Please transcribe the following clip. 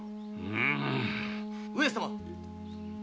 ・上様！